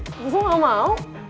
gue kok gak mau